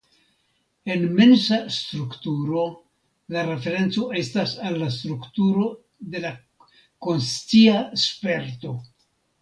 En mensa strukturo la referenco estas al la strukturo de la "konscia sperto".